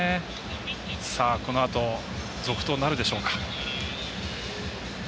このあと続投なるでしょうか。